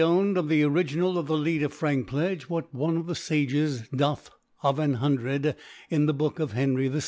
125 ) owned, of the Original of the Lcet and Frankpledge, what one of the Sages doth of an Hundred, in the Book of Henry VI I.